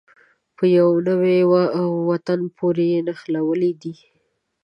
په يوه نوي وطن پورې یې نښلولې دي.